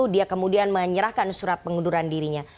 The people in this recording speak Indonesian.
dia kemudian menyerahkan surat pengunduran dirinya